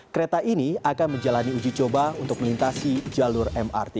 kereta ini akan menjalani uji coba untuk melintasi jalur mrt